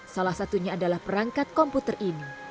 salah satunya adalah perangkat komputer ini